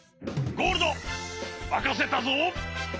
ゴールドまかせたぞ！